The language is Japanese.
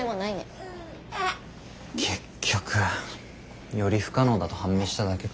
結局より不可能だと判明しただけか。